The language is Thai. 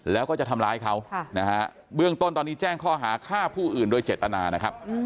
แล้วก็จะทำร้ายเขานะฮะเบื้องต้นตอนนี้แจ้งข้อหาฆ่าผู้อื่นโดยเจตนานะครับ